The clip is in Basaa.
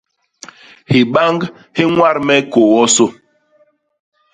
Hibañg hi ñwat me kôô wonsô.